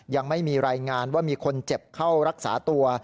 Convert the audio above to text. ยังไม่มีรายงานว่ามีคนเจ็บเข้ารักษาตัว